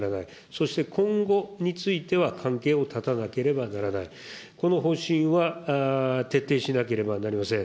そして今後については、関係を断たなければならない、この方針は徹底しなければなりません。